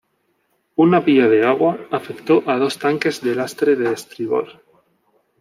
Una vía de agua afectó a dos tanques de lastre de estribor.